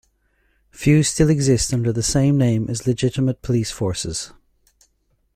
Few still exist under the same name as legitimate police forces.